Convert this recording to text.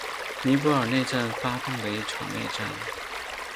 尼泊尔内战发动的一场内战。